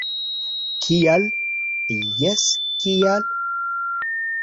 Kial? - Jes, kial?